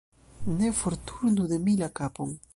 Ne forturnu de mi la kapon.